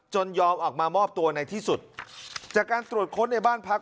ยอมออกมามอบตัวในที่สุดจากการตรวจค้นในบ้านพัก